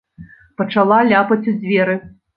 Пачала ляпаць у дзверы.